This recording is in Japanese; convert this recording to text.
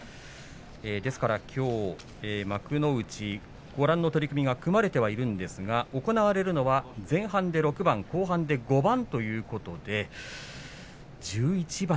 ですからきょう幕内、ご覧の取組が組まれていますが行われるのは前半で６番後半で５番ということで１１番。